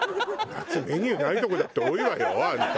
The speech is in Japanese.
夏メニューにないとこだって多いわよあんた。